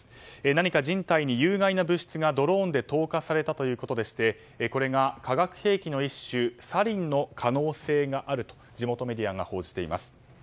何か人体に有害な物質がドローンで投下されたということでしてこれが化学兵器の一種サリンの可能性があると地元メディアが報じています。